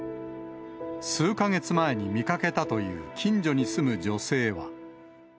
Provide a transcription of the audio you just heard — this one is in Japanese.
数か月前に見かけたという、近所に住む女性は。